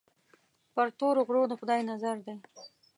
پر تورو غرو د خدای نظر دی.